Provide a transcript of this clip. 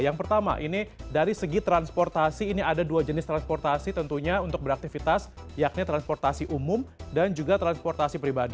yang pertama ini dari segi transportasi ini ada dua jenis transportasi tentunya untuk beraktivitas yakni transportasi umum dan juga transportasi pribadi